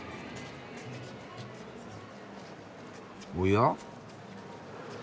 おや？